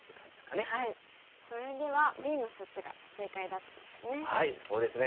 それではＢの処置が正解だったんですね。